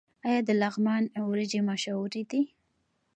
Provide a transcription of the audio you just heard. آیا د لغمان وریجې مشهورې دي؟